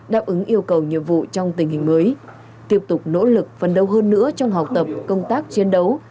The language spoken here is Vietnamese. đáp ứng yêu cầu nhiệm vụ trong tình hình mới tiếp tục nỗ lực phân đấu hơn nữa trong học tập công tác chiến đấu